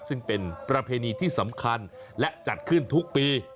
ซึ่งเป็นประเพณีที่สำคัญและจัดขึ้นทุกปี